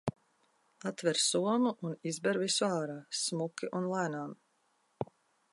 Atver somu un izber visu ārā, smuki un lēnām.